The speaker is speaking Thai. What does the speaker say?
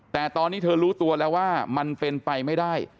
แต่ตอนนี้เธอรู้ตัวแล้วว่ามันเป็นไปไม่ได้